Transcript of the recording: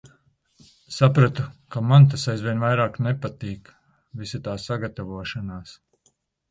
Sapratu, ka man tas aizvien vairāk nepatīk. Visa tā sagatavošanās.